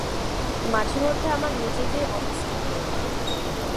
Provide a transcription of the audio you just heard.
মাঝেমধ্যে আমার নিজেকেই অটিস্টিক মনে হয়।